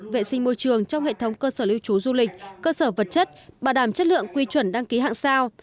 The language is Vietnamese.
vệ sinh môi trường trong hệ thống cơ sở lưu trú du lịch cơ sở vật chất bảo đảm chất lượng quy chuẩn đăng ký hạng sao